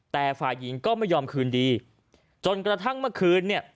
แต่ฝ่ายหญิงก็ไม่ยอมคืนดีจนกระทั่งเมื่อคืนเนี่ย